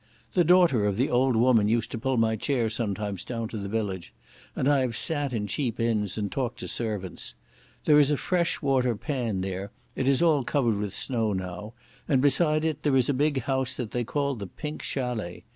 The daughter of the old woman used to pull my chair sometimes down to the village, and I have sat in cheap inns and talked to servants. There is a fresh water pan there, it is all covered with snow now, and beside it there is a big house that they call the Pink Chalet.